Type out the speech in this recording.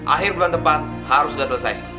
akhir bulan depan harus sudah selesai